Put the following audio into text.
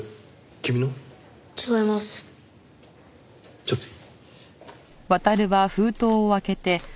ちょっといい？